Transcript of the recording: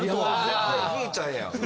絶対くーちゃんやん。